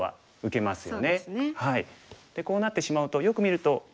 でこうなってしまうとよく見ると。